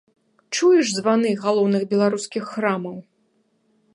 Чуеш званы галоўных беларускіх храмаў.